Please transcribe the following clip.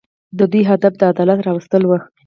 د دوی هدف د عدالت راوستل وو.